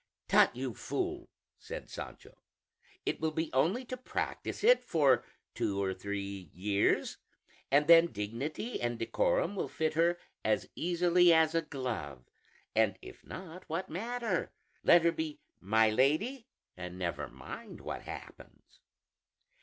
"Tut, you fool," said Sancho; "it will be only to practice it for two or three years, and then dignity and decorum will fit her as easily as a glove, and if not, what matter? Let her be 'my lady,' and never mind what happens."